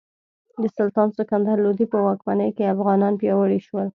د سلطان سکندر لودي په واکمنۍ کې افغانان پیاوړي شول.